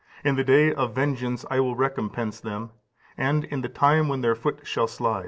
In the day of vengeance I will recompense (them), and in the time when their foot shall slide."